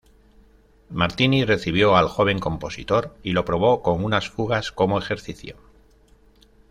Martini recibió al joven compositor y lo probó con unas fugas como ejercicio.